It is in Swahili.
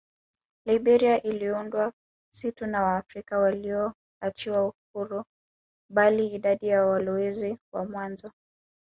Liberia iliundwa si tu na Waafrika walioachiwa huru bali idadi ya walowezi wa mwanzo